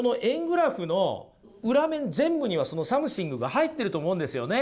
グラフの裏面全部にはそのサムシングが入ってると思うんですよね。